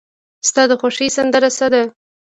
ستا د خوښې سندره څه ده؟